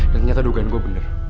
dan ternyata dugaan gue bener